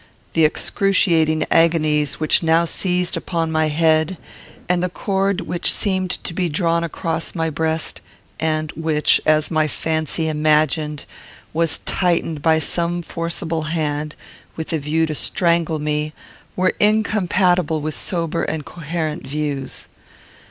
The excruciating agonies which now seized upon my head, and the cord which seemed to be drawn across my breast, and which, as my fancy imagined, was tightened by some forcible hand, with a view to strangle me, were incompatible with sober and coherent views.